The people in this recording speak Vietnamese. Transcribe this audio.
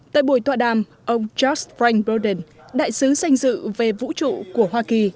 tại buổi tọa đàm ông jos frank broden đại sứ sanh dự về vũ trụ của hoa kỳ